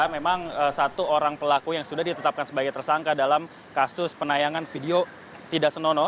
memang satu orang pelaku yang sudah ditetapkan sebagai tersangka dalam kasus penayangan video tidak senono